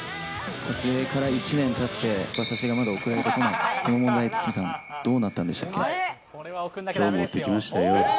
撮影から１年たって、馬刺しがまだ送られてこない、この問題、堤さん、どうなったんきょう持ってきましたよ。